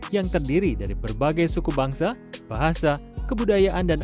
yang terdiri dari berbagai suku bangsa bahasa kebudayaan dan budaya